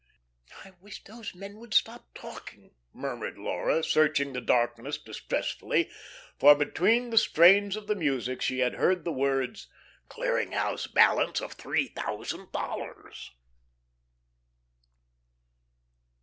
"I wish those men would stop talking," murmured Laura, searching the darkness distressfully, for between the strains of the music she had heard the words: " Clearing House balance of three thousand dollars."